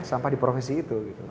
sampah di profesi itu